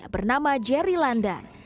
bernama jerry landang